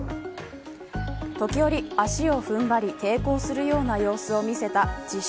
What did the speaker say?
時折、足を踏ん張り抵抗するような様子を見せた自称